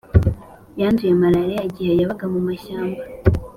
yanduye malariya igihe yabaga mu mashyamba.